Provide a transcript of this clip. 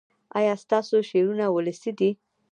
ایا ستاسو شعرونه ولسي دي؟